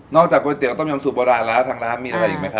จากก๋วยเตี๋ยต้มยำสูตรโบราณแล้วทางร้านมีอะไรอีกไหมครับ